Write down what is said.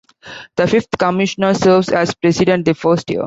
The fifth commissioner serves as president the first year.